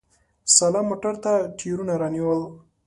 سلام موټر ته ټیرونه رانیول!